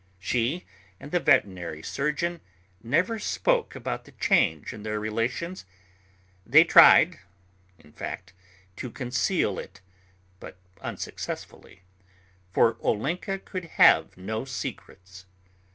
She and the veterinary surgeon never spoke about the change in their relations. They tried, in fact, to conceal it, but unsuccessfully; for Olenka could have no secrets.